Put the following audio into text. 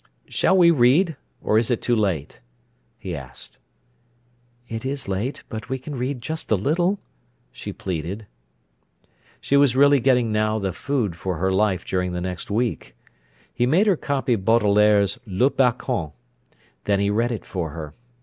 "Shall we read, or is it too late?" he asked. "It is late—but we can read just a little," she pleaded. She was really getting now the food for her life during the next week. He made her copy Baudelaire's "Le Balcon". Then he read it for her.